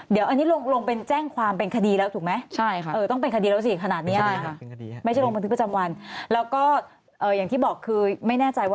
เดี๋ยวอันนี้ลงเป็นแจ้งความเป็นคดีแล้วถูกไหม